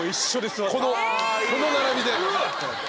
この並びで。